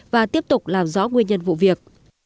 và tiếp tục làm rõ nguyên nhân vụ việc